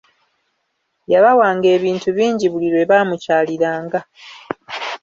Yabawanga ebintu bingi buli lwe baamukyaliranga.